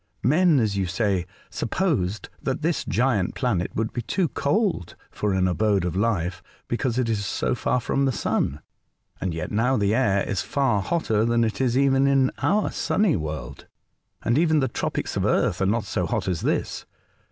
Men, as you say, supposed that this giant planet would be too cold for an abode of life because it is so far from the Sun, and yet now the air is far hotter than it is even in our own sunny world, and even the tropics of Earth are never so hot as this.